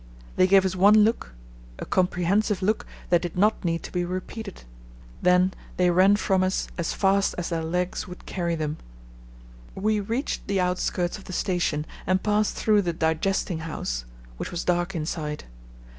They gave us one look—a comprehensive look that did not need to be repeated. Then they ran from us as fast as their legs would carry them. We reached the outskirts of the station and passed through the "digesting house," which was dark inside.